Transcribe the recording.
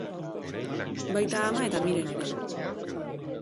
Baita ama eta Miren ere.